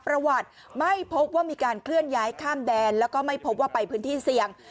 ประวัติไม่พบว่ามีการเคลื่อนย้ายข้ามแดนแล้วก็ไม่พบว่าไปพื้นที่เสี่ยง